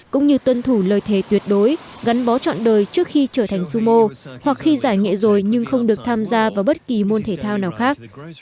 cũng như tuân thủ lời thề tuyệt đối gắn bó chọn đời trước khi trở thành sumo hoặc khi giải nghệ rồi nhưng không được tham gia vào bất kỳ môn thể thao nào khác